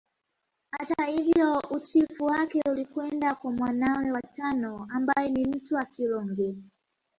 Hata hivyo uchifu wake ulikwenda kwa mwanawe wa tano ambaye ni Mtwa Kilonge